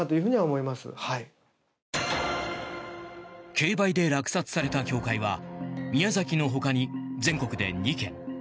競売で落札された教会は宮崎のほかに全国で２件。